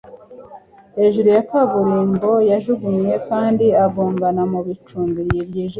Hejuru ya kaburimbo yajugunye kandi agongana mu icumbi ryijimye,